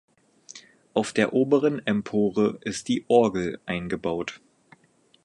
Auf der oberen Empore ist die Orgel eingebaut.